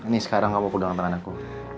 nih sekarang gak apa apa udah dalam tangan aku